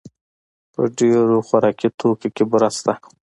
په ډېر خوراکي توکو کې بوره شته.